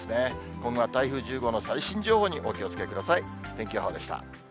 今後は台風１０号の最新情報にお気をつけください。